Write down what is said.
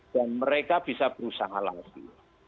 dan mereka bisa berusaha lagi